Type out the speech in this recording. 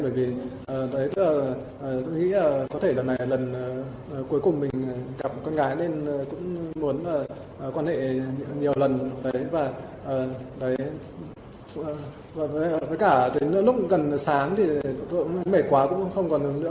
vậy tôi nghĩ là có thể lần cuối cùng mình gặp con gái nên cũng muốn quan hệ nhiều lần với cả đến lúc gần sáng thì tôi cũng mệt quá cũng không còn hướng nữa